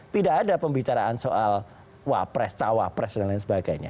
tidak ada pembicaraan soal wapres cawapres dan lain sebagainya